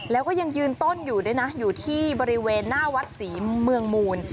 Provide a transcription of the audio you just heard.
แล้วก็ยังยืนต้นอยู่ด้วยนะอยู่ที่บริเวณหน้าวัดศรีเมืองมูล